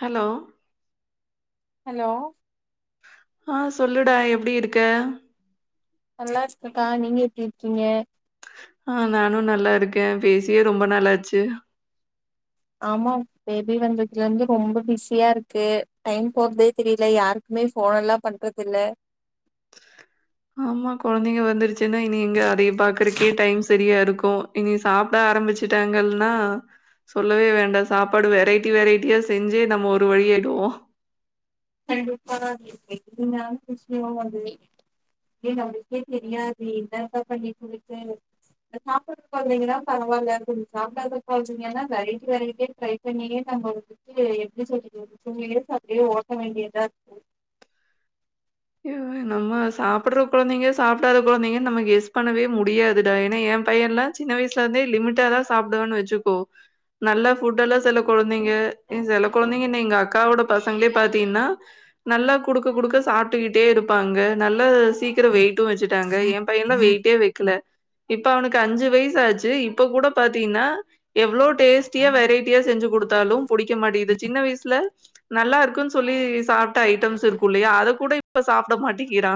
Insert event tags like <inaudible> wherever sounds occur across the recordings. Hello hello ஆ சொல்லுடா எப்டி இருக்க நல்லா இருக்கே கா நீங்க எப்டி இருக்கீங்க ஆ நானும் நல்லா இருக்கே பேசியே ரொம்ப நாள்லாச்சு ஆமா பேபி வந்ததுலருந்து ரொம்ப பிஸியா இருக்கு டைம் போறதே தெரியல யாருக்கு மே ஃபோனெலாம் பண்றதுல்ல ஆமா கொழந்தைங்க வந்துருச்சுன்னா இனி எங்க அதய பாக்கறக்கே டைம் சரியா இருக்கும் இனி சாப்ட ஆரம்பிச்சுட்டாங்கள்னா சொல்லவே வேண்டா சாப்பாடு வெரைட்டி வெரைட்டியா செஞ்சே நம்ம ஒரு வழியாயிடுவோம் கண்டுப்பா அது தெகிரியமான விஷயம் தான் அது ஏன்னு அவுங்குளுக்கே தெரியாது என்னதா பண்ணி தொலச்சனு சாப்பிற கொழந்தைங்கன்னா பரவால்ல கொஞ்ச சாப்டாத கொழந்தைங்கன்னா வெரைட்டி வெரைட்டியா டிரை உண்மைலே நம்ம வந்துட்டு எப்டி சொல்றது ஒரு டூயியர்ஸ் அப்டியே ஓட்ட வேண்டியதா இருக்கு ஐயோ! நம்ம சாப்பட்ற கொழந்தைங்க சாப்பிடாத கொழந்தைங்க நம்ம கெஸ் பண்ணவே முடியாதுடா ஏன்னா ஏன் பையன்லா சின்ன வயிசுல இருந்தே லிமிட்டா தா சாப்பிடுவான் வச்சுக்கோ நல்லா ஃபுட் எல்லாம் சில கொழந்தைங்க செல கொழந்தைங்க என்ன எங்க அக்காவோட பசங்களே பாத்தீங்கன்னா நல்லா குடுக்க குடுக்க சாப்பிட்டுக்கிட் டியே இருப்பாங்க நல்ல சீக்கரம் வெயிட்டும் வச்சுட்டாங்க ஏன் பையன்தா வெயிட்டே வைக்கல இப்ப அவனுக்கு அஞ்சு வயசு ஆச்சு இப்ப கூட பாத்தீங்கன்னா எவ்ளோ டேஸ்ட்டியா வெரைட்டியா செஞ்சு குடுத்தாலும் புடிக்க மாட்டிக்குது சின்ன வயிசுல நல்லா இருக்குன்னு சொல்லி சாப்ட்ட ஐட்டம்ஸ் இருக்கும் இல்லயா அதகூட இப் இப்ப சாப்டமாட்டிகிரா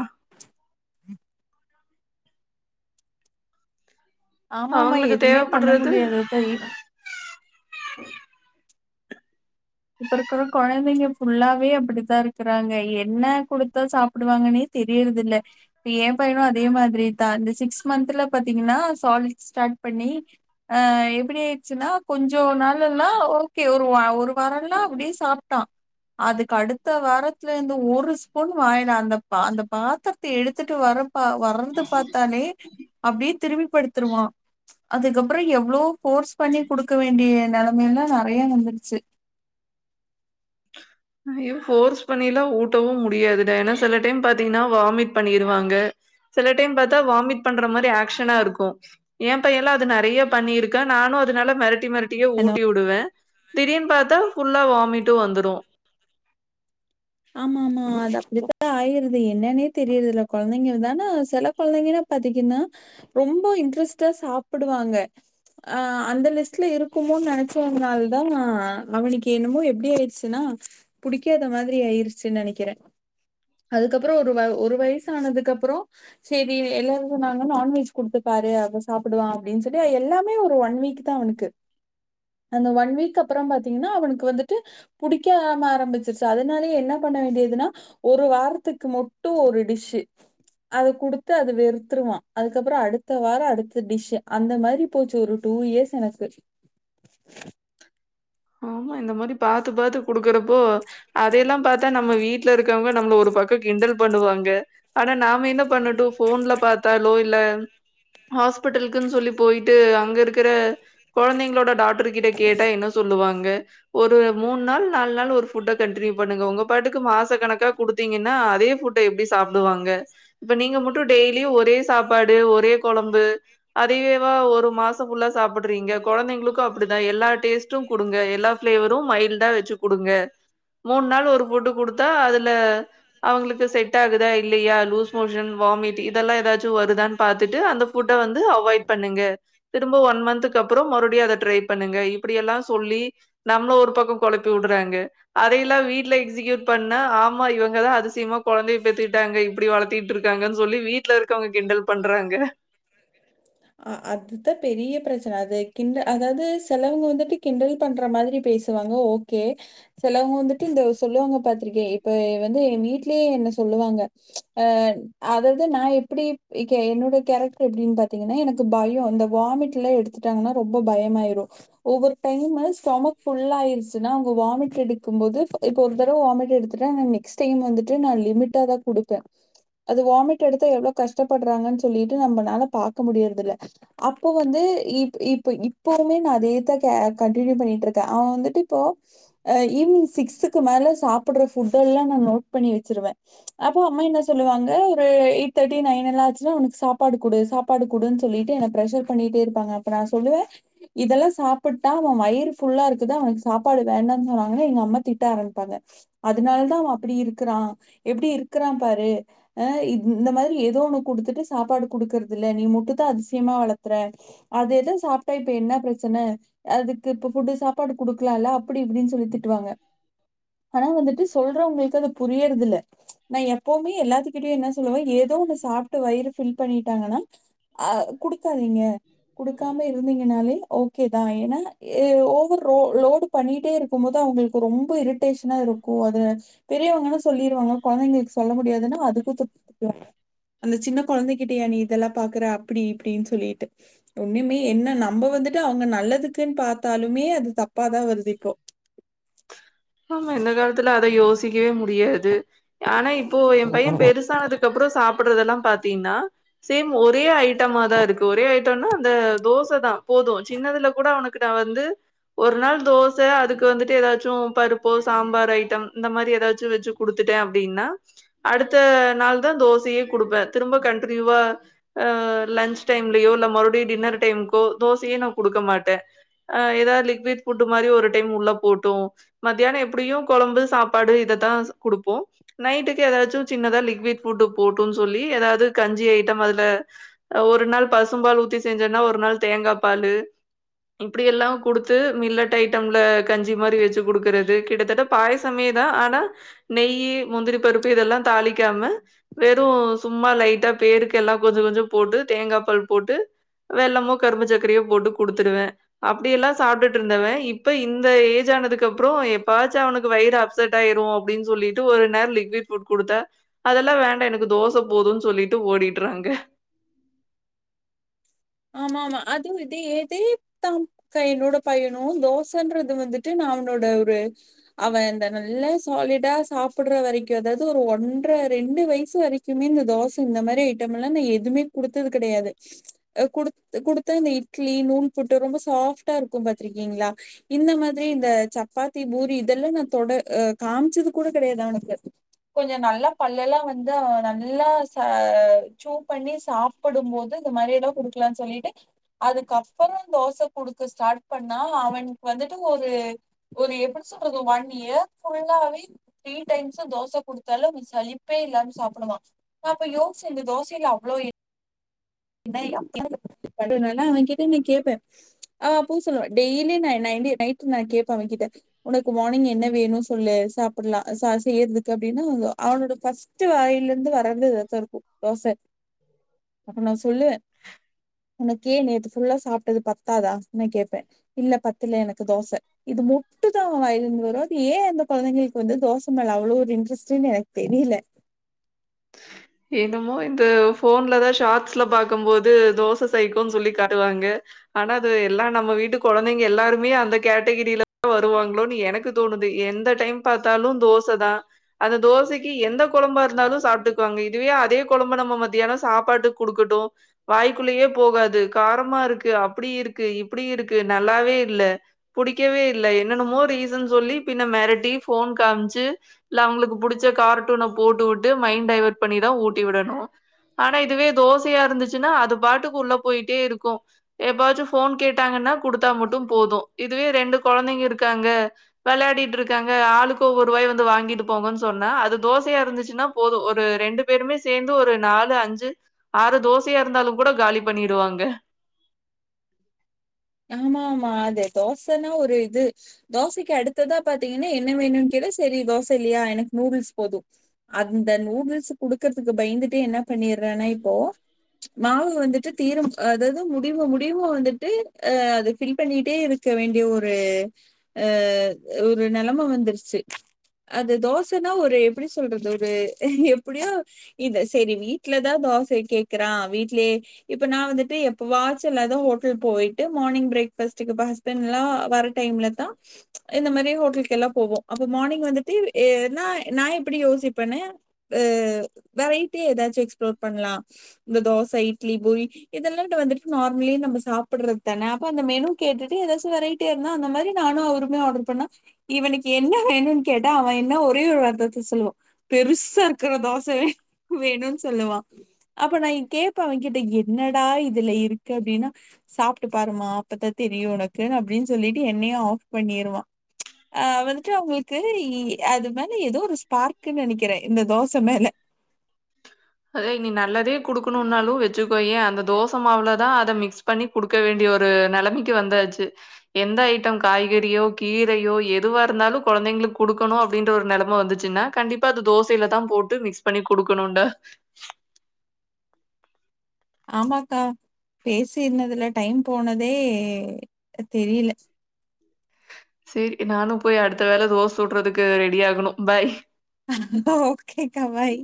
ஆமா ஆமா அவங்களுக்கு எதுவுமே பண்ண தேவப்படுறது முடியாதது தா இப்ப இருக்கற கொழந்தைங்க ஃபுல்லாவே அப்டித்தா இருக்கறாங்க என்ன கொடுத்தா சாப்டுவாங்கனே தெரியற்தில்ல எய பையனு அதே மாதிரிதா இந்த சிக்ஸ் மந்த்ல பாத்தீங்கன்னா சாலிட் ஸ்டார்ட் பண்ணி அ எப்டி ஆயிடுச்சுன்னா கொஞ்சோ நாளலலா ஓகே ஒரு ஒரு வரல்லா அப்டியே சாப்ட்டா அதுக்கு அடுத்த வாரத்துலருந்து ஒரு ஸ்பூன் வாயில அந்த அந்த பாத்தர்த்த எடுத்துட்டு வர நா வறந்து பாத்தாலே அப்டியே திரும்பி படுத்துருவா அதுக்கப்புறோ எவ்ளோ ஃபோர்ஸ் பண்ணி குடுக்க வேண்டிய நெலமையெல்லா நறைய வந்துருச்சு ஐயோ ஃபோர்ஸ் பண்ணிலா ஊட்டவும் முடியாதுடா ஏனா செல டைம் பாத்தீங்கன்னா வாமிட் பண்ணிருவாங்க செல டைம் பாத்தா வாமிட் பண்ற மாரி ஆக்க்ஷனா இருக்கூ என் பையன்ல்லா அது நெறைய பண்ணியிருக்கா நானு அதுனால மெரட்டி மெரட்டி டியே ஹலோ ஊட்டி வுடுவ திடீர்ன் பாத்தா ஃபுல்லா வாமிட்டு வந்துரு <inaudible> ஆமா ஆமா அது அப்டித்தா ஆயிருது என்னனே தெரியருது இல்ல கொழந்தைங்ள்தான செல கொழந்தைங்கன்னா பாத்திங்கன்னா ரொம்ப இன்ட்ரெஸ்டா சாப்புடுவாங்க அந்த அ லிஸ்ட்ல இரு க்குமோன் நெனச்சதுனாலதா அவனுக்கு என்னமோ எப்டி ஆயிடுச்சுன்னா புடிக்காத மாதிரி ஆயிருச்சுன் நெனைக்கிற அதுக்கப்புறொ ஒரு வ ஒரு வயசு ஆனதுக்கு அப்புறொ செரி எல்லாரு சொன்னாங்க நான்வெஜ் குடுத்துப்பாரு அப்ப சாப்புடுவா அப்டின் சொல்லி எல்லாமே ஒரு ஒன் வீக் த்தா அவனுக்கு அந்த ஒன் வீக் அப்பறம் பாத்தீங்கன்னா அவனுக்கு வந்துட்டு புடிக்கா ஆம ஆரம்பிச்சிருச்சு அதனாலேயே என்ன பண்ண வேண்டியதுன்னா ஒரு வாரத்துக்கு மொட்டு ஒரு டிஷ்ஸு அத குடுத்து அது வெறுத்துருவா அதுக்கப்பறொ அடுத்த வாரொ அடுத்த டிஷ்ஸு அந்த மாரி போச்சு ஒரு டூ இயர்ஸ் எனக்கு ஆமா இந்த மாரி பாத்து பாத்து குடுக்கறப்போ அதெய்ல்லா பாத்தா நம்ம வீட்ல இருக்கவங்க நம்மள ஒரு பக்கொ கிண்டல் பண்ணுவாங்க ஆனா நாம என்ன பண்ணட்டு போன்ல பாத்தாலோ இல்ல ஹாஸ்பிட்டலுக்குன்னு சொல்லி போயிட்டு அங்க இருக்குற கொழந்தைங்களோட டாக்டர் கிட்ட கேட்டா என்ன சொ வாங்க ஒரு மூணு நாள் நாலு நாளு ஒரு ஃபுட்ட கண்டினியூ பண்ணுங்க ஒங்க பாட்டுக்கு மாச கணக்கா குடுத்தீங்கன்னா அதே ஃபுட்ட எப்டி சாப்டுவாங்க இப்ப நீங்க மட்டு டெய்லியு ஒரே சாப்பாடு ஒரே கொழம்பு அதயேவா ஒரு மாசோ ஃபுல்லா சாப்டுறீங்க கொழந்தைங்களுக்கு அப்டிதா எல்லா டேஸ்ட் டு குடுங்க எல்லா ஃபிளேவரு மைல்டா வச்சு குடுங்க மூணு நாள் ஒரு ஃபுட்டு குடுத்தா அதுல அவுங்களுக்கு செட் ஆகுதா இல்லியா லூஸ் மோஷன் வாமிட் இதெல்லா ஏதாச்சு வருதானு பாத்துட்டு அந்த ஃபுட்ட வந்து அவாய்ட் பண்ணுங்க திரும்ப ஒன் மன்த்துக்கு அப்றோ மறுபடியு அத ட்ரை பண்ணுங்க இப்டியெல்லா சொல்லி நம்மள ஒரு பக்கோ கொழப்பி விடுறாங்க அதையெல்லா வீட்ல எக்ஸிக்யூட் பண்ணா ஆமா இவங்கதா அதிசயமா கொழந்தைய பெத்துக்கிட்டாங்க இப்டி வளத் த்திகிட்ருக்காங்கனு சொல்லி வீட்ல இருக்கவங்க கிண்டல் பண்றாங்க ஆ அதுதா பெரிய பிரச்சன அது கிண்ட அதாது செலவங்க வந்துட்டு கிண்டல் பண்ற மாதிரி பேசு வாங்க ஓகே செலவங்க வந்துட்டு இந்த சொல்லுவாங்க பாத்திருக்கே இப்ப எ வந்து ஏ வீட்லயே என்ன சொல்லுவாங்க அ அதாவது நா எப்டி கே என்னோட கேரக்டர் எப்டினு பாத் தீங்கன்னா எனக்கு பயோ இந்த வாமிட்லா எடுத்துட்டாங்கன்னா ரொம்ப பயமாயிரு ஒவ்வொரு டைமு ஸ்டொமக் ஃபுல் ஆயிடுச்சுன்னா அவுங்க வாமிட் எடுக்கும்போது இப்போ ஒரு தடவ வாமிட் எடுத் அதாங்க நெக்ஸ்ட் டைம் வந்துட்டு நா லிமிட்டாதா குடுப்பே அது வாமிட் எடுத்தா எவ்ளோ கஷ்டப்படுறாங்கன்னு சொல்லிட்டு நம்பளால பாக்க முடியற்தில்ல அப்ப வந்து இப் இப்ப இப்பவுமே நா அதேதா கண்டினியூ பண்ணிட்டு இருக்கே அவே வந்துட்டு இப்போ ஆ ஈவினிங்க் சிக்ஸுக்கு மேல சாப்படுற ஃபுட்டெல்லா நா நோட் பண்ணி வச்சிருவே அப்போ அம்மா என்ன சொல்லுவாங்க ஒரு எயிட் தேட்டி நயனெல்லா ஆச்சுன்னா அவனுக்கு சாப்பாடு குடு சாப் ப்பாடு குடுன்னு சொல்லிட்டு என்ன பிரஷர் பண்ணிட்டே இருப்பாங்க அப்ப நா சொல்லுவ இதெல்லா சாப்புட்டா அவ வயிறு ஃபுல்லா இருக்குதா அவனுக்கு சாப்பாடு வேண்டானு சொன்னாலு எங்கம்மா திட்ட ஆரம்பிப்பாங்க அதுனாலதா அவ அப்டி இருக்குறா எப்டி இருக்குறா பாரு ஆ இத் இ இந்த மாதிரி ஏதோ ஒண்ணு குடுத்துட்டு சாப்பாடு குடுக்குறது இல்ல நீ முட்டுதா அதிசயமா வளக்குற அதேதா சாப்ட்டா இப்ப என்ன பிரச்சன அதுக்கு இப்ப ஃபுட்டு சாப்பாடு குடுக்கலால்ல அப்டி இப்டினு சொல்லி திட்டுவாங்க ஆனா வந்துட்டு சொல்றவங்களுக்கு அது புரியறது இல்ல நா எப்பவுமே எல்லாத்துகிட்டயு என்ன சொல்லுவ ஏதோ ஒண்ணு சாப்ட்டு வயிறு ஃபில் பண்ணிட்டாங்கன்னா ஆ குடுக்காதீங்க குடுக்காம இருந்தீங்கனாலே ஓ ஓகேதா ஏன்னா ஏ ஓவரோ லோடு பண்ணிட்டே இருக்கும்போது அவங்களுக்கு ரொம்ப இரிட்டேஷனா இருக்கு அது பெரியவங்கன்னா சொல்லிருவாங்க கொழந்தைங்களுக்கு சொல்ல முடியாதுனா அதுக்கு திட்டுவாங்க அந்த சின்ன கொழந்தைகிட்டயா நீ இதெல்லா பாக்குற அப்டி இப்டினு சொல்லிட்டு இப்ப ஒண்ணுமே என்ன நம்ம வந்துட்டு அவுங்க நல்லதுக்குனு பாத் த்தாலுமே அது தப்பாதா வருது இப்போ ஆமா இந்த காலத்துல அத யோசிக்கவே முடியாது ஆனா இப்போ எ பைய பெருசானதுக்குப்பறோ சாப்படுறதெல்லா பாத்தீனா சேம் ஒரே ஐ ட்டமாதா இருக்கு ஒரே ட்டம்னா அந்த தோசைதா போது சின்னதுல கூட அவனுக்கு நா வந்து ஒரு நாள் தோச <unintelligible> அதுக்கு வந்துட்டு ஏதாச்சு பருப்பு சாம்பார் ஐட்டம் இந்த மாரி ஏதாச்சு வச்சு குடுத்துட்டே அப்டின்னா அடுத்த நாள்தா தோசையே குடுப்பே திரும்ப கண்டின்யூவா ஆ லன்ச் டைம்லயோ இல்ல மறுபடியு டின்னர் டைமுகோ தோசையே நா குடுக்க மாட்டே ஆ ஏதாவத் லிக்விட் ஃபுட் மாரி ஒரு டைம் உள்ள போட்டோ மத்தியானம் எப்டியும் கொழம்பு சாப்பாடு இதத்தா குடுப்போம் நைட்டுக்கு எதாச்சும் சின்னதா லிக்விட் ஃபுட்டு போட்டும் சொல்லி எதாவ்து கஞ்சி ஐட்டம் அதுல ஒரு நாள் பசும் பால் ஊத்தி செஞ்சேன்னா ஒரு நாள் தேங்கா பாலு இப்டி எல்லாம் குடுத்து மில்லட்டை ம்ல கஞ்சி மாரி வெச்சு குடுக்கறது கிட்டத்தட்ட பாயசமே தா ஆனா நெய்யி முந்திரி பருப்பு இதெல்லா தாளிக்காம வெறும் சும்மா லைட்டா பேருக்கு எல்லாம் கொஞ்ச கொஞ்சம் போட்டு தேங்கா பால் போட்டு வெல்லமோ கரும்பு சக்கரையோ போட்டு குடுத்துடுவ அப்டி எல்லா சாப்ட்டுட் இருந்தவ இப் இப்ப இந்த ஏஜ் ஆனதுக்கு அப்றோ எப்பாச்சும் அவனுக்கு வயறு அப்செட் ஆயிரும் அப்டின் சொல்லிட்டு ஒரு நேரம் லிக்விட் குடுத்த அதெல்லா வேண்டாம் எனக்கு தோச போதும் சொல்லிட்டு ஓடிட்றாங்க ஆமா ஆமா அதுவு இது ஏதேத்தாம் கா என்னோட பையனு தோசன்றது வந்துட்டு ந அவனோட ஒரு அவ இந்த நல்ல சாலிடா சாப்படுற வரைக்கு அதாவது ஒரு ஒன்ற ரெண்டு வயசு வரை க்குமே இந்த தோச இந்த மாரி ஐட்டம் எல்லா நா எதுவுமே குடுத்தது கடையாது அ குடுத் குடுத்த இந்த இட்லி நூள் புட்டு ரொம்ப சாஃப்ட்டா இருக்கு பாத்திருக்கீங்களா இந்த மாதிரி இந்த சப்பாத்தி பூரி இதல்லா நா தொட அ காம்ச்சது கூட கடையாது அவனுக்கு கொஞ்சோ நல்லா பல்லலா வந்து நல்லா ச சூவ் பண்ணி சாப் படும் போது இந்த மாரி எல்லா குடுக்கலான் சொல்லிட்டு அதுக்கப்புறோ தோச குடுக்க ஸ்டார்ட் பண்ணா அவனுக்கு வந்துட்டு ஒரு ஒரு எப்டி சொல்றது ஒன் இயர் ஃபுல்லாவே த்ரீ டைம்ஸ்ஸு தோச குடுத்தாலு அவ சலிப்பே இல்லாம சாப்புடுவா நா அப்ப யோசிச்ச இந்த தோசைல்ல அவ்ளோ ஏனா <inaudible> அவன் கிட்ட நா கேப்பே அவ அப்பவு சொல்லுவா டெய்லி நா என்னன்டி நைட்டு நா கேப்ப அவன் கிட்ட உனக்கு மார்னிங் என்ன வேணு சொல்லு சாப்பட்லா ச செய்யறதுக்கு அப்டின்னா அவனோட ஃபஸ்ட் த்து வாய்ல இருந்து வர்றது இதாத்தாருக்கும் தோச நா சொல்லுவ உனக்கே நேத்து ஃபுல்லா சாப்ட்டது பத்தாதா நா கேப்பேன் இல்ல பத்தல எனக்கு தோச இது மட்டும் தா அவன் வாயிலருந்து வரும் அது ஏன் அந்த கொழந்தைங்களுக்கு வந்து தோச மேல அவ்வளோ ஒரு இன்ட்ரெஸ்ட்டுன்னு எனக்கு தெரியல என்னமோ இந்த ஃபோன்ல தான் ஷாட்ஸ்ல பாக்கும்போது தோச சைக்கோன் சொல்லி காட்டுவாங்க ஆனா அது எல்லாம் நம்ம வீட்டு கொழந்தைங்க எல்லாருமே அந்த கேட்டகிரில இருந்து வருவாங்களோன்னு எனக்கு தோணுது எந்த டைம் பார்த்தாலு தோச தா அந்த தோசைக்கு எந்த கொழம்பா இருந்தாலு சாப் டுக்குவாங்க இதுவே அதே கொழம்ப நம்ம மதியானோ சாப்பாட்டுக்கு குடுக்கட்டு வாய்க்குள்ளேயே போகாது காரமா இருக்கு அப்டி இருக்கு இப்டி இருக்கு நல்லாவே இல்ல புடிக்கவே இல்ல என்னன்னுமோ ரீசன் சொல்லி பின்ன மிரட்டி போன் காம்ச்சு இல்ல அவங்களுக்கு புடிச்ச கார்ட்டூன போட்டு விட்டு மைண்ட் டைவேர்ட் பண்ணிதா ஊட்டி விடணு ஆனா இதுவே தோசயா இருந்துச்சுன்னா அது பாட்டுக்கு உள்ள போயிட்டே இருக்கு எப்பவாச்சு போன் கேட்டாங்கன்னா குடுத்தா மட்டும் போது இதுவே ரெண்டு கொழந்தைங்க இருக்காங்க விளாடிட்டு இருக்காங்க ஆளுக்கு ஒவ்வொரு வாய் வந்து வாங்கிட்டு போங்கன் சொன்னா அது தோசையா இருந்துச்சுன்னா போது ஒரு ரெண்டு பேருமே சேந்து ஒரு நாலு அஞ்சு ஆறு தோசயா இருந்தாலு கூட காலி பண்ணிடுவாங்க ஆமா ஆமா அது தோசன்னா ஒரு இது தோசைக்கு அடுத்ததா பாத்தீங்கன்னா என்ன வேணுன் கேட்டா சரி தோச இல்லயா எனக்கு நூடுல்ஸ் போது அந்த நூடுல்ஸ் குடுக்கறதுக்கு பயந்துட்டு என்ன பண்ணிறேன்னா இப்போ மாவு வந்துட்டு தீரும் அதாது முடிவு முடிவு வந்துட்டு அ அது ஃபில் பண்ணிட்டே இருக்க வேண்டிய ஒரு அ ஒரு நெலம வந்துர்ச்சு அது தோசன்னா ஒரு எப்டி சொல்றது ஒரு எப்டியோ இது சேரி வீட்ல தா தோச கேக்குறா வீட்லே இப்ப நா வந்துட்டு எப்புவாச்சுளதா ஹோட்டல் போய் ட்டு மார்னிங் ப்ரேக்ஃபஸ்ட்டுக்கு ப ஹஸ்பண்ட் லா வர டைம்ல தா இந்த மாரி ஹோட்டல்க்கு எல்லா போவோ அப்ப மார்னிங் வந்துட்டு ஏன்னா நா எப்டி யோசிப்பென்னு எ வெரைட்டியா ஏதாச்சு எக்ஸ்ப்ளோர் பண்லா இந்த தோச இட்லி பூரி இதெல்லாடா வந்துட் நார்மலி நம்ம சாப்புட்றது தான அப்ப அந்த மெனு கேட்டுட்டு எதாச்சு வெரைடியா இருந்தா அந்த மாரி நானு அவருமே ஆடர் பண்ணா இவனுக்கு என்ன வேணும்னு கேட்டா அவே என்ன ஒரே ஒரு வார்த்தத்த சொல்லுவா பெருசா இருக்குற தோச வேணுன் சொல்லுவா அப்ப நா கேப்பே அவ கிட்ட என்னடா இதுல இருக்கு அப்டினா சாப் ட்டு பாருமா அப்பத்தா தெரியு உனக்கு அப்டின் சொல்லிட்டு என்னையு ஆஃப் பண்ணிருவா அ வந்துட்டு அவுங்கள்க்கு இ அது மேல எதோ ஒரு ஸ்பார்க்கு நெனக்கிறே இந்த தோச மேல அதே நீ நல்லதே குடுக்கணூனாலு வெச்சுக்கோயே அந்த தோச மாவுலதா அத மிக்ஸ் பண்ணி குடுக்க வேண்டிய ஒரு நெலமைக்கி வந்தாச்சு எந்த ஐட்டம் காய்கறியோ கீரையோ எதுவா இருந்தாலு கொழந்தைங்களுக் குடுக்கணு அப்டின்ற ஒரு நெலம வந்துச்சுனா கண்டிப்பா அது தோசைலதா போட்டு மிக்ஸ் பண்ணி குடுக்கணுட ஆமாக்கா பேசி இருந்ததுல டைம் போனதே தெரில சேரி நானு போய் அடுத்த வேல தோச சுட்றதுக்கு ரெடி ஆகணு பாய் ஓகேக்கா பாய்